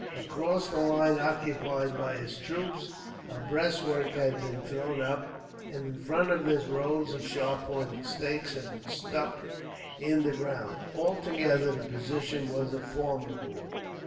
Across the line occupied by his troops, a breastwork had been thrown up, and in front of this rows of sharp pointed stakes had been stuck in the ground. Altogether, the position was a formidable one.